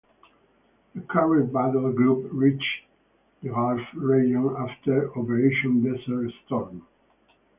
The carrier battle group reached the gulf region after Operation Desert Storm.